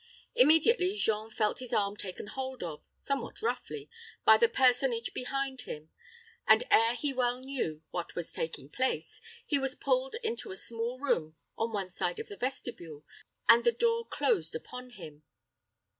Immediately Jean felt his arm taken hold of, somewhat roughly, by the personage behind him, and, ere he well knew what was taking place, he was pulled into a small room on one side of the vestibule, and the door closed upon him.